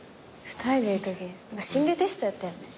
２人でいるとき心理テストやったよね？